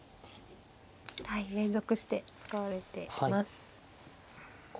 はい連続して使われています。